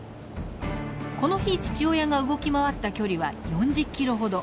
この日父親が動き回った距離は４０キロほど。